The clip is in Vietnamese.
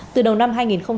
từ đầu năm hai nghìn hai mươi